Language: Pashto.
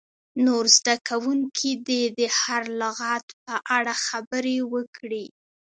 نور زده کوونکي دې د هر لغت په اړه خبرې وکړي.